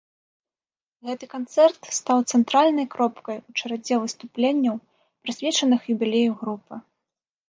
Гэты канцэрт стаў цэнтральнай кропкай у чарадзе выступленняў, прысвечаных юбілею групы.